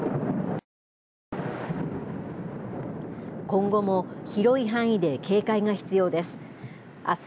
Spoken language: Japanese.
今後も広い範囲で警戒が必要です。